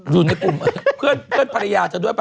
อยู่ในกลุ่มเพื่อนภรรยาเธอด้วยป่